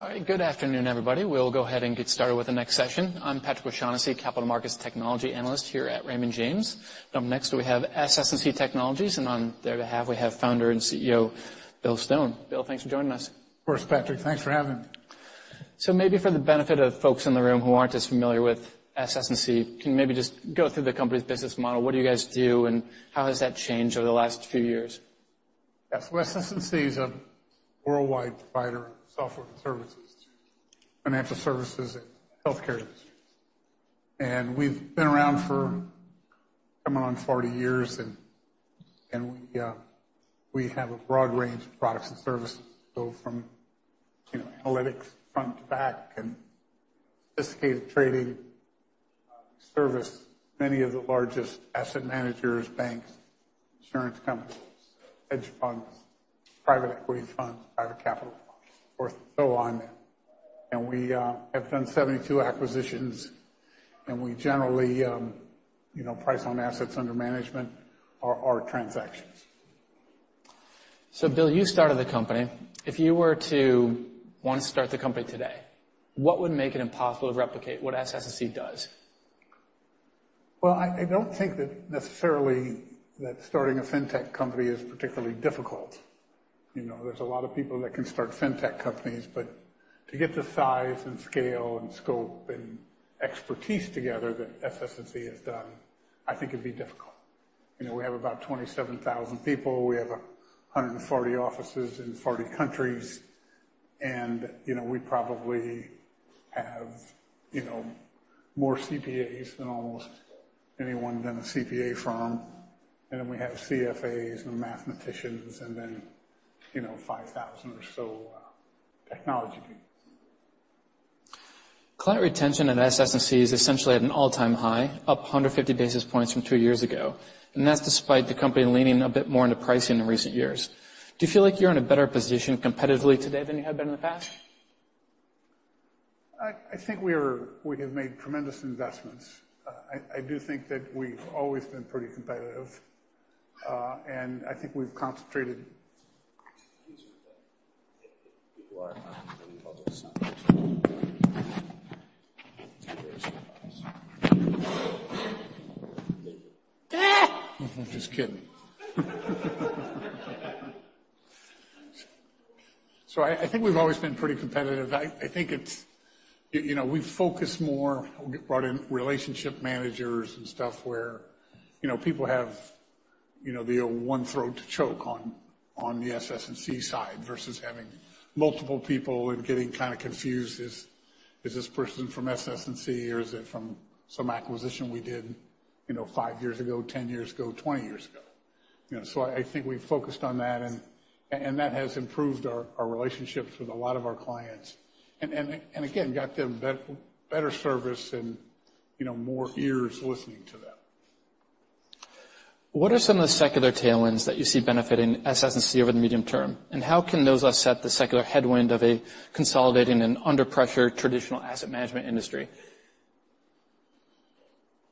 All right, good afternoon, everybody. We'll go ahead and get started with the next session. I'm Patrick O'Shaughnessy, Capital Markets Technology Analyst here at Raymond James. Up next we have SS&C Technologies, and on their behalf we have Founder and CEO Bill Stone. Bill, thanks for joining us. Of course, Patrick. Thanks for having me. So maybe for the benefit of folks in the room who aren't as familiar with SS&C, can you maybe just go through the company's business model? What do you guys do, and how has that changed over the last few years? Yeah, so SS&C is a worldwide provider of software services to financial services and healthcare industries. And we've been around for coming on 40 years, and we have a broad range of products and services. We go from analytics front to back and sophisticated trading. We service many of the largest asset managers, banks, insurance companies, hedge funds, private equity funds, private capital funds, and so on there. And we have done 72 acquisitions, and we generally price on assets under management or transactions. So Bill, you started the company. If you were to want to start the company today, what would make it impossible to replicate what SS&C does? Well, I don't think that necessarily that starting a fintech company is particularly difficult. There's a lot of people that can start fintech companies, but to get the size and scale and scope and expertise together that SS&C has done, I think it'd be difficult. We have about 27,000 people. We have 140 offices in 40 countries, and we probably have more CPAs than almost anyone than a CPA firm. And then we have CFAs and mathematicians and then 5,000 or so technology people. Client retention at SS&C is essentially at an all-time high, up 150 basis points from two years ago. That's despite the company leaning a bit more into pricing in recent years. Do you feel like you're in a better position competitively today than you had been in the past? I think we have made tremendous investments. I do think that we've always been pretty competitive, and I think we've concentrated. Thank you for that. People are talking to the public. Thank you. Just kidding. So I think we've always been pretty competitive. I think we've focused more. We brought in relationship managers and stuff where people have the one throat to choke on the SS&C side versus having multiple people and getting kind of confused. Is this person from SS&C, or is it from some acquisition we did five years ago, 10 years ago, 20 years ago? So I think we've focused on that, and that has improved our relationships with a lot of our clients and, again, got them better service and more ears listening to them. What are some of the secular tailwinds that you see benefiting SS&C over the medium term, and how can those offset the secular headwind of a consolidating and under-pressured traditional asset management industry?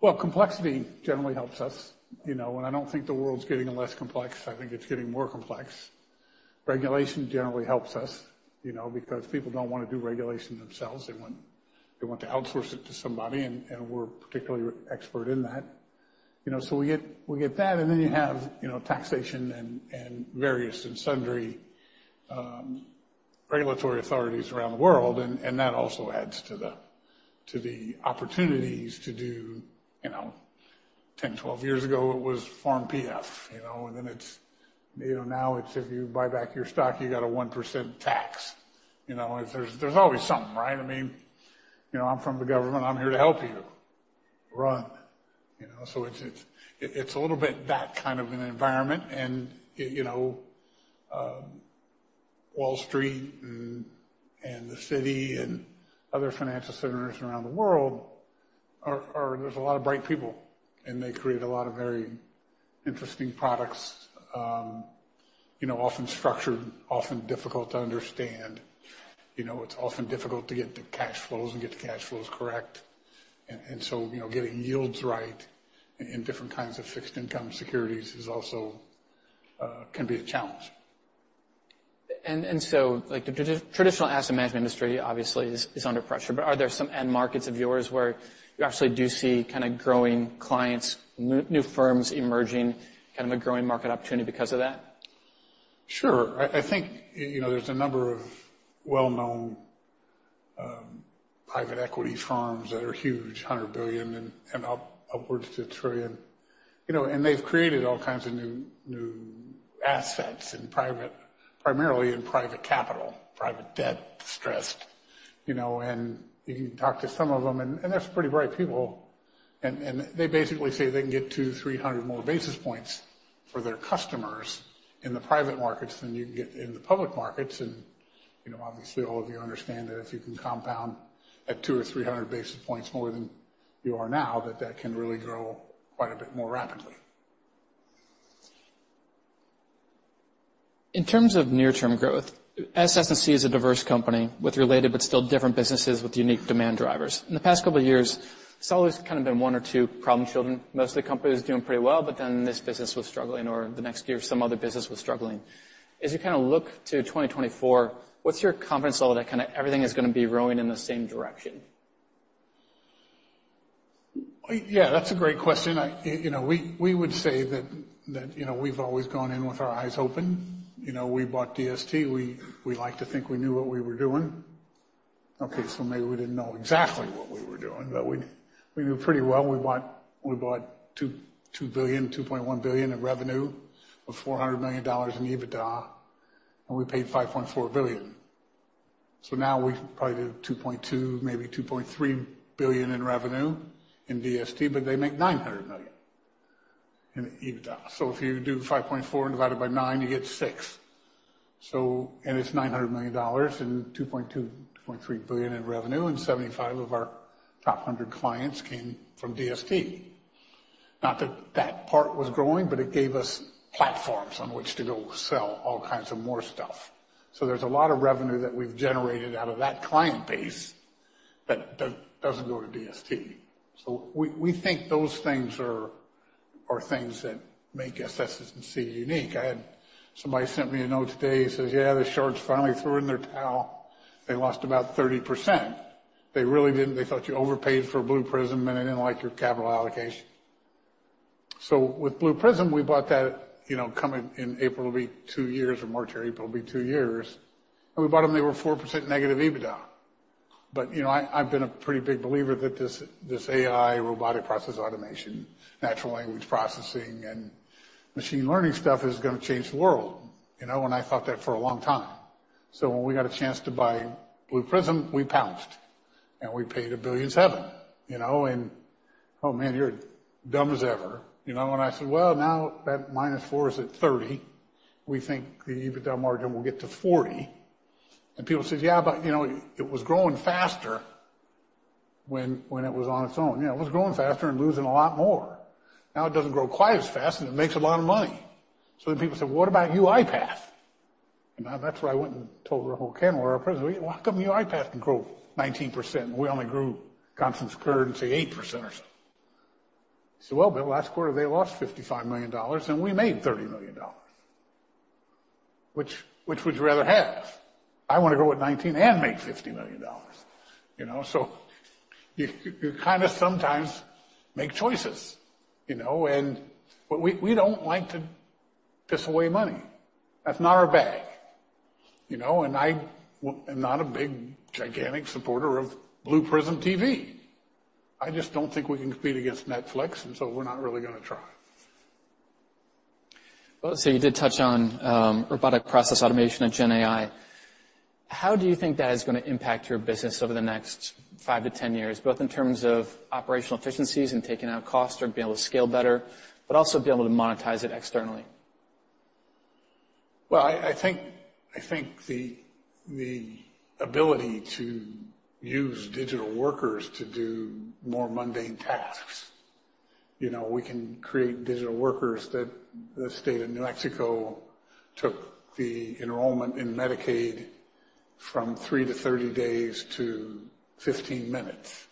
Well, complexity generally helps us. And I don't think the world's getting less complex. I think it's getting more complex. Regulation generally helps us because people don't want to do regulation themselves. They want to outsource it to somebody, and we're particularly expert in that. So we get that, and then you have taxation and various and sundry regulatory authorities around the world, and that also adds to the opportunities to do 10, 12 years ago. It was Form PF, and then now it's if you buy back your stock, you got a 1% tax. There's always something, right? I mean, I'm from the government. I'm here to help you run. So it's a little bit that kind of an environment. Wall Street and The City and other financial centers around the world, there's a lot of bright people, and they create a lot of very interesting products, often structured, often difficult to understand. It's often difficult to get the cash flows and get the cash flows correct. So getting yields right in different kinds of fixed income securities can be a challenge. The traditional asset management industry, obviously, is under pressure, but are there some end markets of yours where you actually do see kind of growing clients, new firms emerging, kind of a growing market opportunity because of that? Sure. I think there's a number of well-known private equity firms that are huge, $100 billion and upwards to $1 trillion. And they've created all kinds of new assets, primarily in private capital, private debt, distressed. And you can talk to some of them, and they're pretty bright people. And they basically say they can get 200-300 more basis points for their customers in the private markets than you can get in the public markets. And obviously, all of you understand that if you can compound at 200 or 300 basis points more than you are now, that that can really grow quite a bit more rapidly. In terms of near-term growth, SS&C is a diverse company with related but still different businesses with unique demand drivers. In the past couple of years, it's always kind of been one or two problem children. Most of the companies are doing pretty well, but then this business was struggling, or the next year, some other business was struggling. As you kind of look to 2024, what's your confidence level that kind of everything is going to be rowing in the same direction? Yeah, that's a great question. We would say that we've always gone in with our eyes open. We bought DST. We liked to think we knew what we were doing. Okay, so maybe we didn't know exactly what we were doing, but we knew pretty well. We bought $2 billion-$2.1 billion in revenue of $400 million in EBITDA, and we paid $5.4 billion. So now we probably do $2.2 billion-$2.3 billion in revenue in DST, but they make $900 million in EBITDA. So if you do 5.4 and divide it by nine, you get six. And it's $900 million and $2.2 billion-$2.3 billion in revenue, and 75 of our top 100 clients came from DST. Not that that part was growing, but it gave us platforms on which to go sell all kinds of more stuff. So there's a lot of revenue that we've generated out of that client base that doesn't go to DST. So we think those things are things that make SS&C unique. Somebody sent me a note today. He says, "Yeah, the shorts finally threw in their towel. They lost about 30%. They really didn't. They thought you overpaid for Blue Prism, and they didn't like your capital allocation." So with Blue Prism, we bought that coming in April to be two years or March or April to be two years. And we bought them. They were 4% negative EBITDA. But I've been a pretty big believer that this AI, robotic process automation, natural language processing, and machine learning stuff is going to change the world. And I thought that for a long time. So when we got a chance to buy Blue Prism, we pounced, and we paid 1.7 billion. And, "Oh man, you're dumb as ever." And I said, "Well, now that minus 4 is at 30. We think the EBITDA margin will get to 40." And people said, "Yeah, but it was growing faster when it was on its own." Yeah, it was growing faster and losing a lot more. Now it doesn't grow quite as fast, and it makes a lot of money. So then people said, "What about UiPath?" And that's where I went and told Rahul Kanwar, our president, "Why can UiPath grow 19%, and we only grew constant currency 8% or so?" He said, "Well, Bill, last quarter, they lost $55 million, and we made $30 million, which would you rather have? I want to grow at 19 and make $50 million." So you kind of sometimes make choices. And we don't like to piss away money. That's not our bag. I am not a big, gigantic supporter of Blue Prism TV. I just don't think we can compete against Netflix, and so we're not really going to try. Well, so you did touch on robotic process automation and Gen AI. How do you think that is going to impact your business over the next 5-10 years, both in terms of operational efficiencies and taking out costs or being able to scale better, but also being able to monetize it externally? Well, I think the ability to use digital workers to do more mundane tasks. We can create digital workers that the state of New Mexico took the enrollment in Medicaid from three to 30 days to 15 minutes.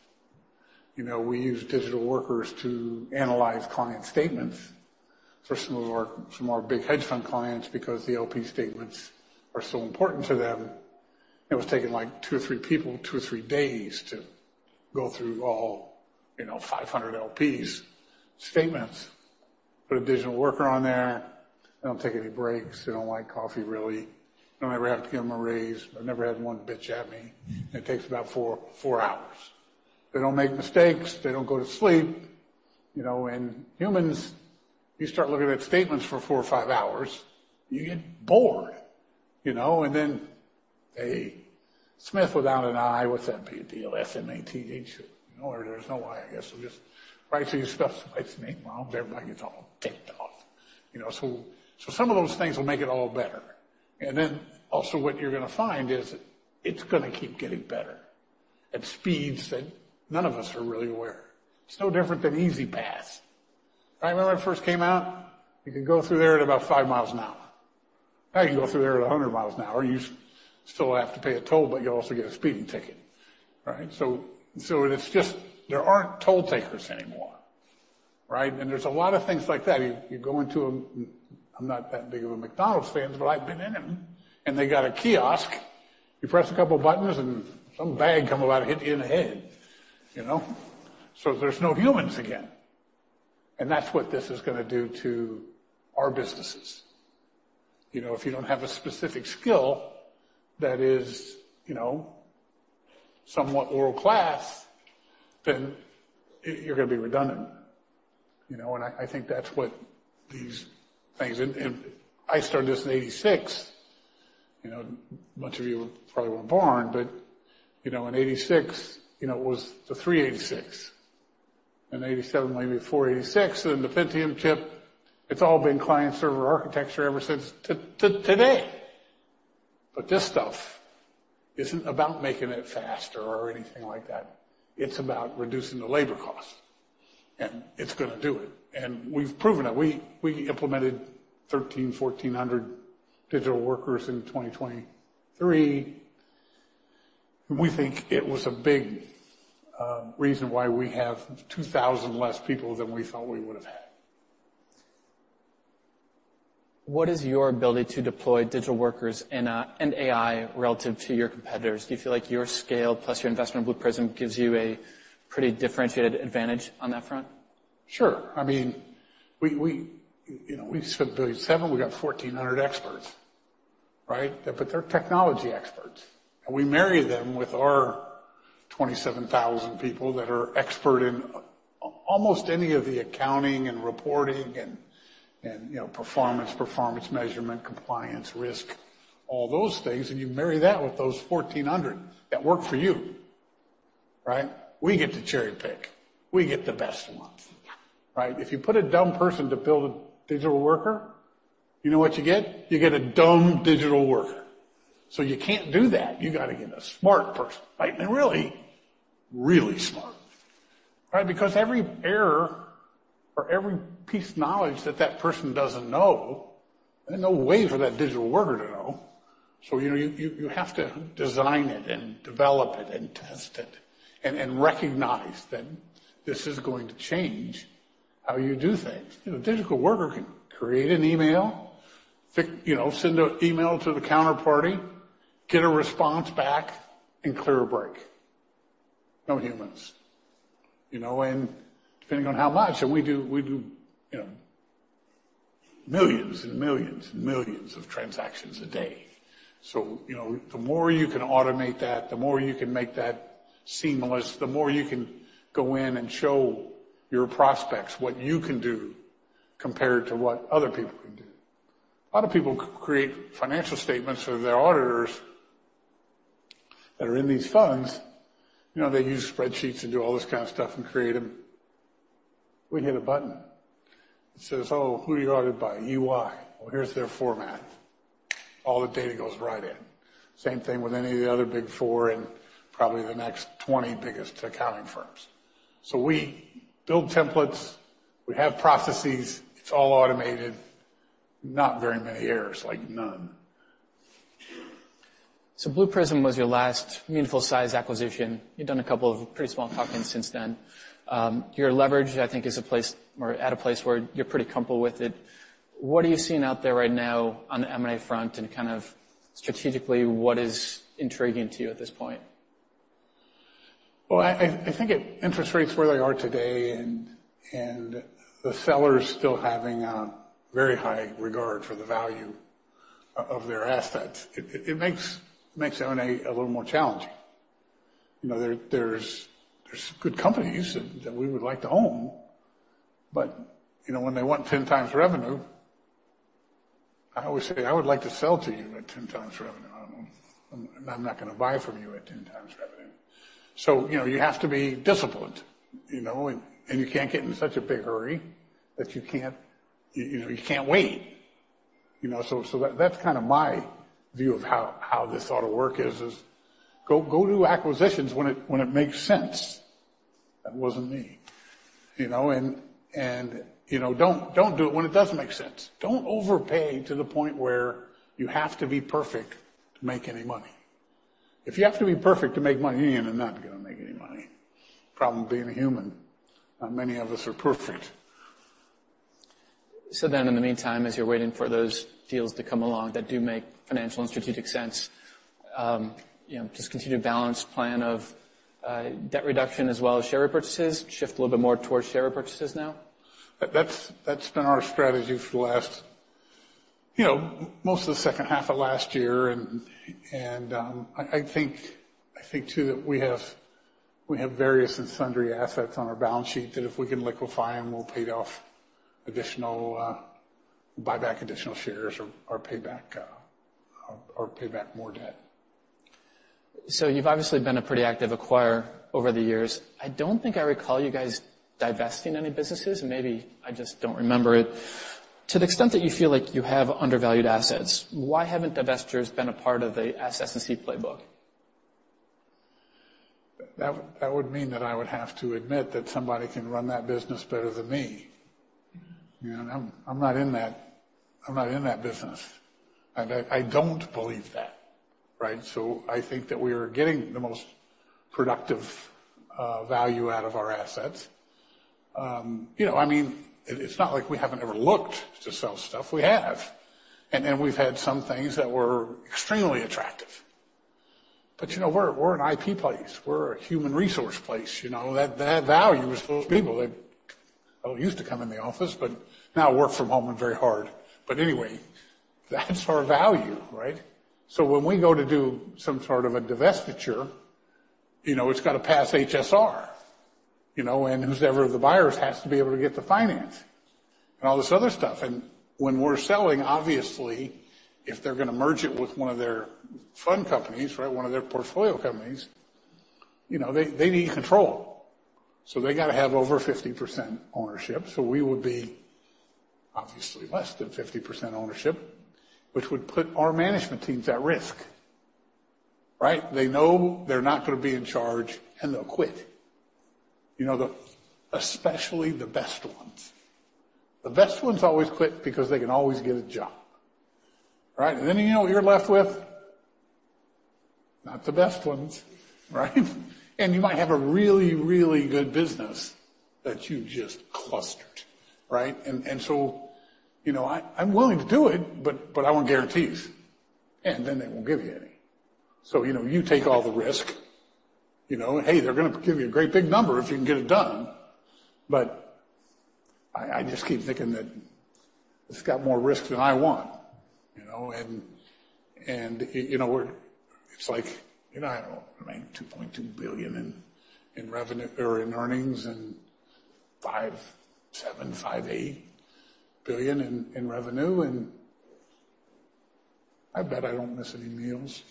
We use digital workers to analyze client statements for some of our big hedge fund clients because the LP statements are so important to them. It was taking two or three people, two or three days to go through all 500 LPs' statements. Put a digital worker on there. They don't take any breaks. They don't like coffee, really. They don't ever have to give them a raise. They've never had one bitch at me. It takes about four hours. They don't make mistakes. They don't go to sleep. And humans, you start looking at statements for four or five hours. You get bored. Then they spell Smith without an i, what's that? PDL? Smth? There's no i, I guess. They'll just write you stuff, spelled name wrong. Everybody gets all ticked off. So some of those things will make it all better. Then also what you're going to find is it's going to keep getting better at speeds that none of us are really aware. It's no different than E-ZPass. Remember when it first came out? You could go through there at about five miles an hour. Now you can go through there at 100 miles an hour. You still have to pay a toll, but you also get a speeding ticket, right? So there aren't toll takers anymore, right? And there's a lot of things like that. You go into a—I'm not that big of a McDonald's fan, but I've been in them, and they got a kiosk. You press a couple of buttons, and some bag come about and hit you in the head. So there's no humans again. And that's what this is going to do to our businesses. If you don't have a specific skill that is somewhat world-class, then you're going to be redundant. And I think that's what these things and I started this in 1986. A bunch of you probably weren't born, but in 1986, it was the 386. In 1987, maybe 486, then the Pentium chip. It's all been client-server architecture ever since today. But this stuff isn't about making it faster or anything like that. It's about reducing the labor cost. And it's going to do it. And we've proven it. We implemented 1,300-1,400 digital workers in 2023. And we think it was a big reason why we have 2,000 less people than we thought we would have had. What is your ability to deploy digital workers and AI relative to your competitors? Do you feel like your scale plus your investment in Blue Prism gives you a pretty differentiated advantage on that front? Sure. I mean, we spent $1.7 billion. We got 1,400 experts, right? But they're technology experts. And we marry them with our 27,000 people that are expert in almost any of the accounting and reporting and performance, performance measurement, compliance, risk, all those things. And you marry that with those 1,400 that work for you, right? We get to cherry-pick. We get the best ones, right? If you put a dumb person to build a digital worker, you know what you get? You get a dumb digital worker. So you can't do that. You got to get a smart person, right? And really, really smart, right? Because every error or every piece of knowledge that that person doesn't know, there's no way for that digital worker to know. So you have to design it and develop it and test it and recognize that this is going to change how you do things. A digital worker can create an email, send an email to the counterparty, get a response back, and clear a break. No humans. And depending on how much and we do millions and millions and millions of transactions a day. So the more you can automate that, the more you can make that seamless, the more you can go in and show your prospects what you can do compared to what other people can do. A lot of people create financial statements for their auditors that are in these funds. They use spreadsheets and do all this kind of stuff and create them. We hit a button. It says, "Oh, who are you audited by? EY." Well, here's their format. All the data goes right in. Same thing with any of the other Big Four and probably the next 20 biggest accounting firms. So we build templates. We have processes. It's all automated. Not very many errors, like none. So Blue Prism was your last meaningful-sized acquisition. You've done a couple of pretty small tuck-ins since then. Your leverage, I think, is at a place where you're pretty comfortable with it. What are you seeing out there right now on the M&A front? And kind of strategically, what is intriguing to you at this point? Well, I think with interest rates where they are today and the sellers still having a very high regard for the value of their assets. It makes M&A a little more challenging. There's good companies that we would like to own. But when they want 10x revenue, I always say, "I would like to sell to you at 10x revenue. I'm not going to buy from you at 10x revenue." So you have to be disciplined. And you can't get in such a big hurry that you can't wait. So that's kind of my view of how this ought to work is, is go do acquisitions when it makes sense. That wasn't me. And don't do it when it doesn't make sense. Don't overpay to the point where you have to be perfect to make any money. If you have to be perfect to make money, you're not going to make any money. Problem being a human. Not many of us are perfect. So then in the meantime, as you're waiting for those deals to come along that do make financial and strategic sense, just continue to balance plan of debt reduction as well as share repurchases, shift a little bit more towards share repurchases now? That's been our strategy for the last most of the second half of last year. And I think, too, that we have various and sundry assets on our balance sheet that if we can liquefy them, we'll pay off additional we'll buy back additional shares or pay back more debt. So you've obviously been a pretty active acquirer over the years. I don't think I recall you guys divesting any businesses. Maybe I just don't remember it. To the extent that you feel like you have undervalued assets, why haven't divestors been a part of the SS&C playbook? That would mean that I would have to admit that somebody can run that business better than me. I'm not in that. I'm not in that business. I don't believe that, right? So I think that we are getting the most productive value out of our assets. I mean, it's not like we haven't ever looked to sell stuff. We have. And we've had some things that were extremely attractive. But we're an IP place. We're a human resource place. That value is those people. They used to come in the office, but now work from home and very hard. But anyway, that's our value, right? So when we go to do some sort of a divestiture, it's got to pass HSR. And whoever the buyers has to be able to get the finance and all this other stuff. And when we're selling, obviously, if they're going to merge it with one of their fund companies, right, one of their portfolio companies, they need control. So they got to have over 50% ownership. So we would be obviously less than 50% ownership, which would put our management teams at risk, right? They know they're not going to be in charge, and they'll quit, especially the best ones. The best ones always quit because they can always get a job, right? And then you're left with not the best ones, right? And you might have a really, really good business that you just clustered, right? And so I'm willing to do it, but I want guarantees. And then they won't give you any. So you take all the risk. Hey, they're going to give you a great big number if you can get it done. But I just keep thinking that it's got more risks than I want. And it's like I don't know. I mean, $2.2 billion in revenue or in earnings and $5.7 billion-$5.8 billion in revenue. And I bet I don't miss any meals.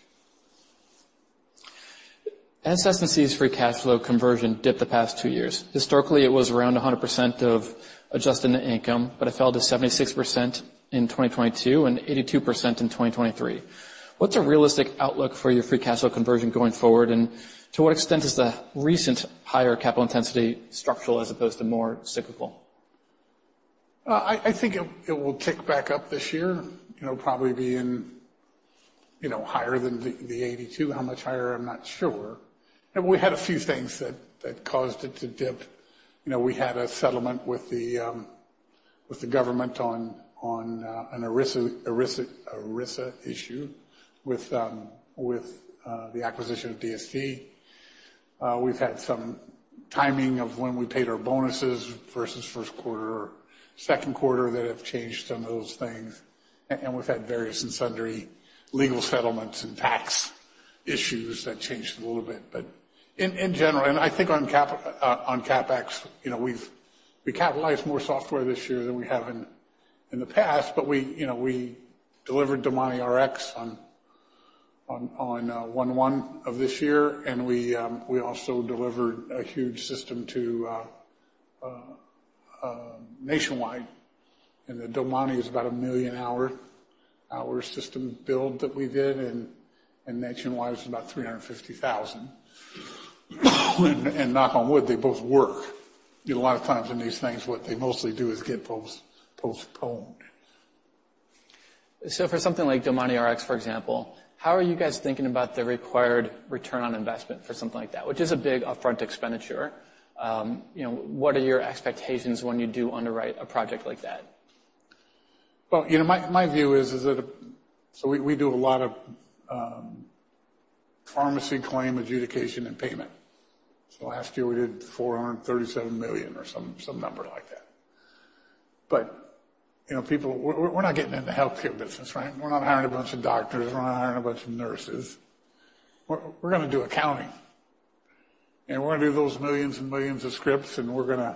SS&C's free cash flow conversion dipped the past two years. Historically, it was around 100% of adjusted net income, but it fell to 76% in 2022 and 82% in 2023. What's a realistic outlook for your free cash flow conversion going forward? And to what extent is the recent higher capital intensity structural as opposed to more cyclical? I think it will tick back up this year. It'll probably be higher than the 1982. How much higher, I'm not sure. We had a few things that caused it to dip. We had a settlement with the government on an ERISA issue with the acquisition of DST. We've had some timing of when we paid our bonuses versus first quarter or second quarter that have changed some of those things. We've had various and sundry legal settlements and tax issues that changed a little bit. In general, I think on CapEx, we've capitalized more software this year than we have in the past. We delivered DomaniRx on 1/1/2024. We also delivered a huge system to Nationwide. The Domani is about 1 million hours system build that we did. Nationwide is about 350,000. Knock on wood, they both work. A lot of times in these things, what they mostly do is get postponed. So for something like DomaniRx, for example, how are you guys thinking about the required return on investment for something like that, which is a big upfront expenditure? What are your expectations when you do underwrite a project like that? Well, my view is that so we do a lot of pharmacy claim adjudication and payment. So last year, we did 437 million or some number like that. But we're not getting into healthcare business, right? We're not hiring a bunch of doctors. We're not hiring a bunch of nurses. We're going to do accounting. And we're going to do those millions and millions of scripts. And we're going to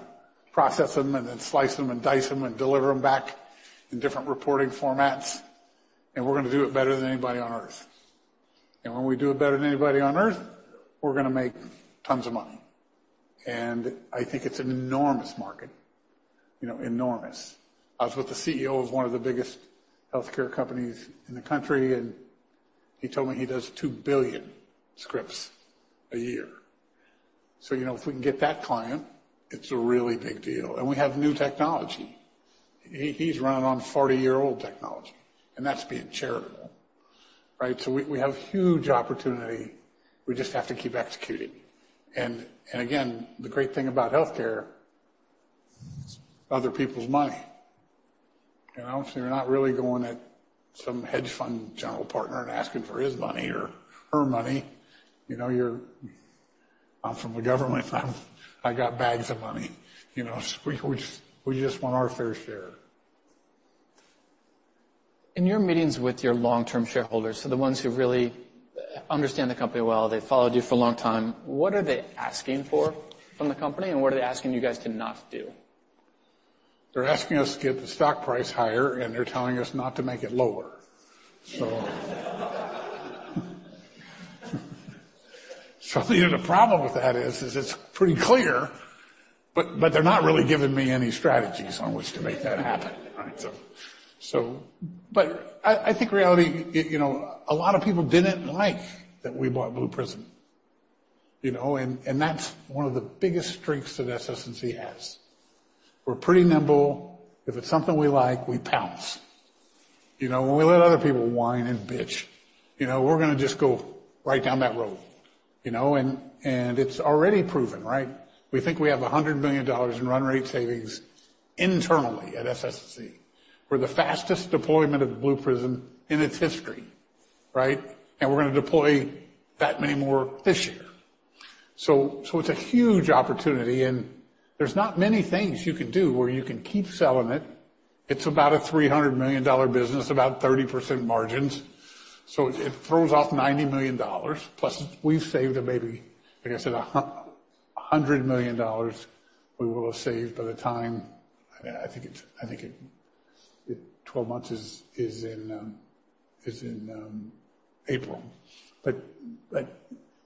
process them and then slice them and dice them and deliver them back in different reporting formats. And we're going to do it better than anybody on earth. And when we do it better than anybody on earth, we're going to make tons of money. And I think it's an enormous market, enormous. I was with the CEO of one of the biggest healthcare companies in the country. And he told me he does two billion scripts a year. So if we can get that client, it's a really big deal. And we have new technology. He's running on 40-year-old technology. And that's being charitable, right? So we have huge opportunity. We just have to keep executing. And again, the great thing about healthcare, it's other people's money. And obviously, you're not really going at some hedge fund general partner and asking for his money or her money. You're, "I'm from the government. I got bags of money." We just want our fair share. In your meetings with your long-term shareholders, so the ones who really understand the company well, they've followed you for a long time, what are they asking for from the company? And what are they asking you guys to not do? They're asking us to get the stock price higher. They're telling us not to make it lower. The problem with that is it's pretty clear, but they're not really giving me any strategies on which to make that happen, right? But I think reality, a lot of people didn't like that we bought Blue Prism. That's one of the biggest strengths that SS&C has. We're pretty nimble. If it's something we like, we pounce. When we let other people whine and bitch, we're going to just go right down that road. It's already proven, right? We think we have $100 million in run rate savings internally at SS&C. We're the fastest deployment of Blue Prism in its history, right? We're going to deploy that many more this year. It's a huge opportunity. There's not many things you can do where you can keep selling it. It's about a $300 million business, about 30% margins. So it throws off $90 million. Plus, we've saved maybe, like I said, $100 million we will have saved by the time I think 12 months is in April. But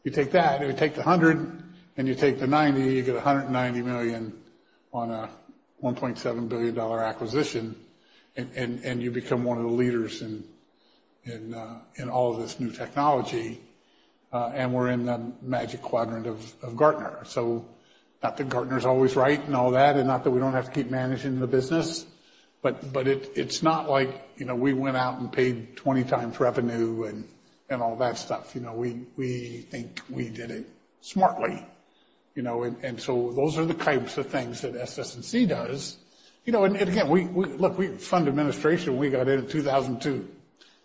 you take that. If you take the $100 million and you take the $90 million, you get $190 million on a $1.7 billion acquisition. And you become one of the leaders in all of this new technology. And we're in the Magic Quadrant of Gartner. So not that Gartner's always right and all that and not that we don't have to keep managing the business. But it's not like we went out and paid 20x revenue and all that stuff. We think we did it smartly. And so those are the types of things that SS&C does. And again, look, we fund administration. We got in in 2002.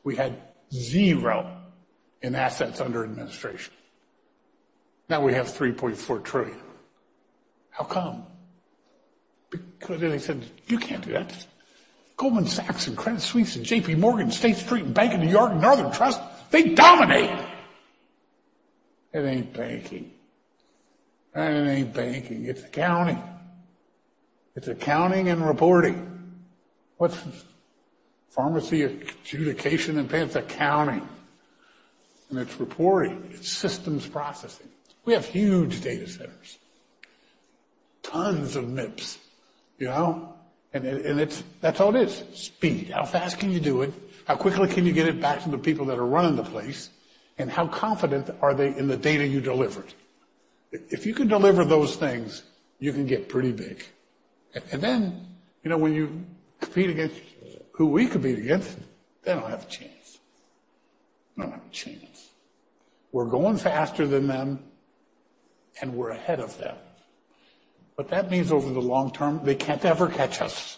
We had zero in assets under administration. Now we have $3.4 trillion. How come? Because they said, "You can't do that. Goldman Sachs and Credit Suisse and JPMorgan and State Street and Bank of New York and Northern Trust, they dominate." It ain't banking. It ain't banking. It's accounting. It's accounting and reporting. What's pharmacy adjudication and payments? Accounting. And it's reporting. It's systems processing. We have huge data centers, tons of MIPS. And that's all it is. Speed. How fast can you do it? How quickly can you get it back to the people that are running the place? And how confident are they in the data you delivered? If you can deliver those things, you can get pretty big. And then when you compete against who we compete against, they don't have a chance. They don't have a chance. We're going faster than them. We're ahead of them. That means over the long term, they can't ever catch us,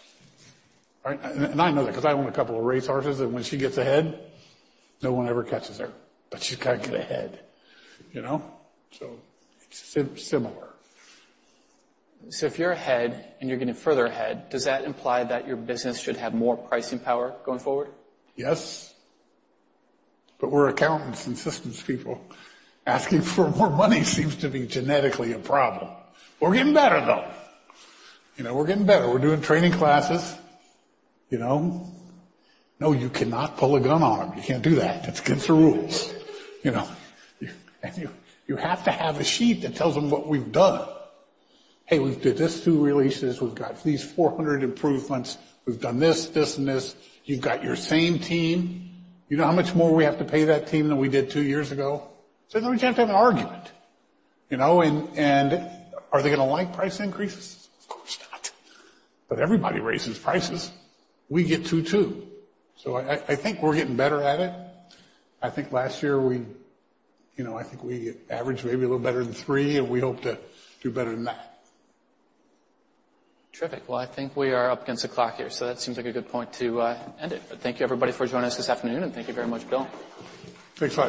right? I know that because I own a couple of racehorses. When she gets ahead, no one ever catches her. She's got to get ahead. It's similar. If you're ahead and you're getting further ahead, does that imply that your business should have more pricing power going forward? Yes. But we're accountants and systems people. Asking for more money seems to be genetically a problem. We're getting better, though. We're getting better. We're doing training classes. No, you cannot pull a gun on them. You can't do that. It's against the rules. You have to have a sheet that tells them what we've done. "Hey, we've did these two releases. We've got these 400 improvements. We've done this, this, and this. You've got your same team. You know how much more we have to pay that team than we did two years ago?" Then we just have to have an argument. Are they going to like price increases? Of course not. Everybody raises prices. We get two, two. I think we're getting better at it. I think last year, I think we averaged maybe a little better than three. We hope to do better than that. Terrific. Well, I think we are up against the clock here. That seems like a good point to end it. Thank you, everybody, for joining us this afternoon. Thank you very much, Bill. Thanks, Rob.